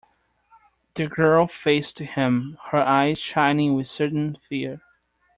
The girl faced him, her eyes shining with sudden fear.